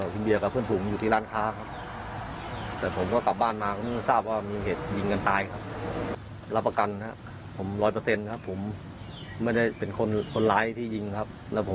คุณเบียกับเพื่อนฝูงอยู่ที่ร้านค้าครับ